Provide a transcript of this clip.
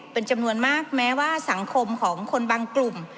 เป็นจำนวนมากแม้ว่าสังคมของคนบางกลุ่ม